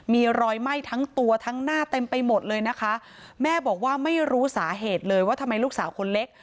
มีรอยไหม้ทั้งตัวทั้งหน้าเต็มไปหมดเลยนะคะแม่บอกว่าไม่รู้สาเหตุเลยว่าทำไมลูกสาวคนเล็ก